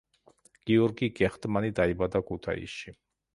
გიორგი გეხტმანი დაიბადა ქუთაისში.